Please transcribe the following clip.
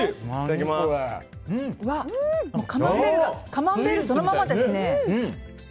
カマンベールそのままですね。